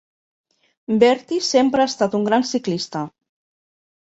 Bertie sempre ha estat un gran ciclista.